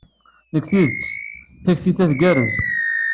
Deg tidet, takti-a tgerrez.